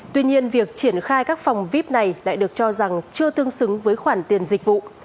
tuy nhiên việc triển khai các phòng vip này lại được cho rằng chưa tương xứng với khoản tiền dịch vụ